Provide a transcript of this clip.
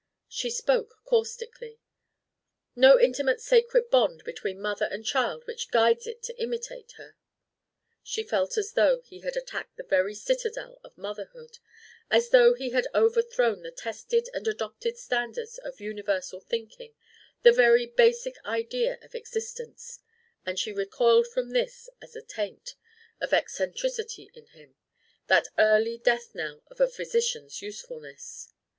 She spoke caustically: "No intimate sacred bond between mother and child which guides it to imitate her?" She felt as though he had attacked the very citadel of motherhood; as though he had overthrown the tested and adopted standards of universal thinking, the very basic idea of existence; and she recoiled from this as a taint of eccentricity in him that early death knell of a physician's usefulness.